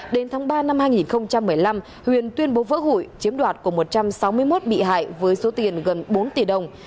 đến tháng ba năm hai nghìn một mươi năm huyền tuyên bố vỡ hụi chiếm đoạt của một trăm sáu mươi một bị hại với số tiền gần bốn tỷ đồng